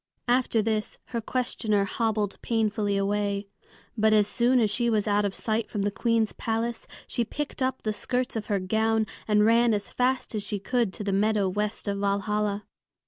After this her questioner hobbled painfully away. But as soon as she was out of sight from the Queen's palace, she picked up the skirts of her gown and ran as fast as she could to the meadow west of Valhalla.